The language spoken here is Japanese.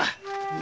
何？